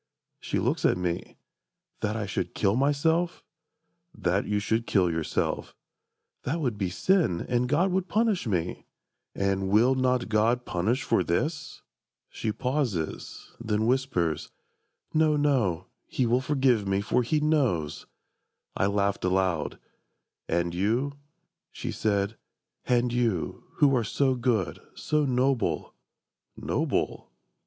She looks at me. "That I should kill myself?"— "That you should kill yourself."—"That would be sin, And God would punish me!"—"And will not God Punish for this?" She pauses: then whispers: "No, no, He will forgive me, for He knows!" I laughed aloud: "And you," she said, "and you, Who are so good, so noble" ... "Noble?